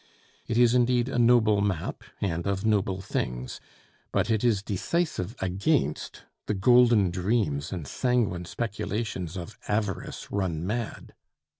It is indeed a noble map, and of noble things; but it is decisive against the golden dreams and sanguine speculations of avarice run mad.